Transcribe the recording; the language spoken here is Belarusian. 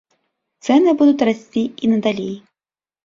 Цэны будуць расці і надалей.